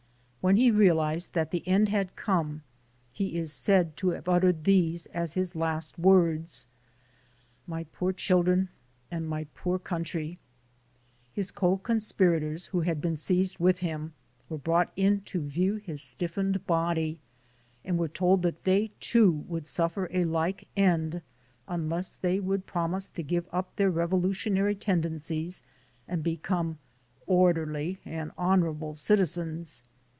When he realized that the end had come he is said to have uttered these as his last words : "My poor children and my country!" His co conspirators who had been seized with him were brought in to view his stiffened body and were told that they too would suffer a like end, unless they would promise to give up their revolutionary tendencies and become "orderly and honorable citizens."